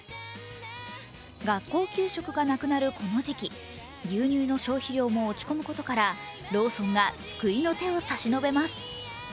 学校給食がなくなるこの時期、牛乳の消費量も落ち込むことからローソンが救いの手を差し伸べます。